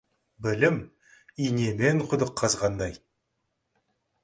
Білім инемен құдық қазғандай.